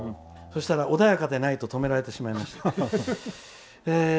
そうしたら穏やかでないと止められてしまいました。